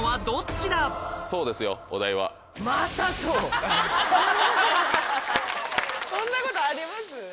さぁそんなことあります？